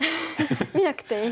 見なくていい。